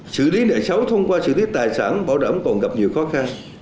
sử lý nợ sáu thông qua sử lý tài sản bảo đảm còn gặp nhiều khó khăn